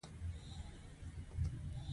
هغه څوک چې د پانګې نشتوالي په پلمه کار نه کوي.